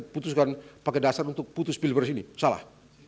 putuskan pakai dasar untuk putus pilih ini salah